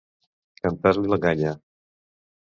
Cantar-li la canya.